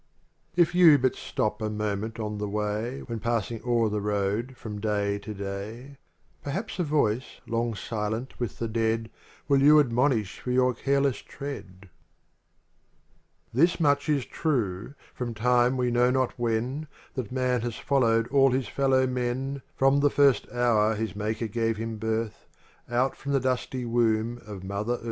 If you but stop a moment on the way When passing o'er the road from day to day, remaps a voice long sueni wiin me aeao, WWill you admonish for your ™r*i«« +~<.A w s much is true, From time we know not wl jfttin has followed all his fellow men in ibe first hour hjs Maker gave him birth Out from the dusty womb of mother earth.